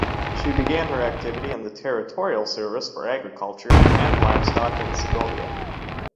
She began her activity in the territorial service for agriculture and livestock in Segovia.